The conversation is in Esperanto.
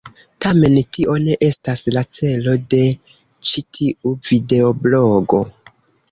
Tamen, tio ne estas la celo de ĉi tiu videoblogo.